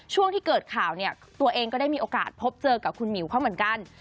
ช่วงที่เกิดข่าวเนี่ยตัวเองก็ได้มีโอกาสพบเจอกับคุณหมิวเขาเหมือนกัน